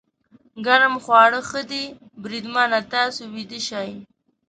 ګرم خواړه ښه دي، بریدمنه، تاسې ویده شئ.